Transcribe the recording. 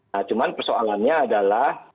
nah cuman persoalannya adalah